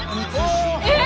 えっ！